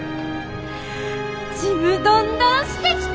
ちむどんどんしてきた！